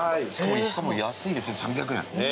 しかも安いですね３００円。